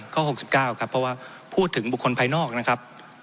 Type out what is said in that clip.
ข้อหกสิบเก้าครับเพราะว่าพูดถึงบุคคลภายนอกนะครับ